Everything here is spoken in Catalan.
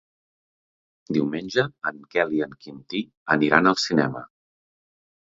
Diumenge en Quel i en Quintí aniran al cinema.